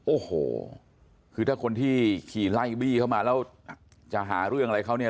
โอ้โหคือถ้าคนที่ขี่ไล่บี้เข้ามาแล้วจะหาเรื่องอะไรเขาเนี่ย